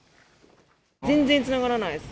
全然つながらないです。